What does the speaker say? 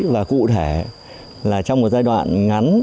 và cụ thể là trong một giai đoạn ngắn